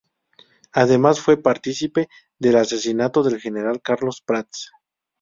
Además fue partícipe del asesinato del General Carlos Prats.